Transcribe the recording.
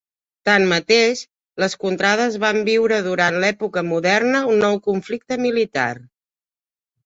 Tanmateix, les contrades van viure durant l’Època Moderna un nou conflicte militar.